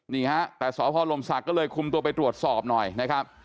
นี่ฮะแต่สพลมศักดิ์ก็เลยคุมตัวไปตรวจสอบหน่อยนะครับ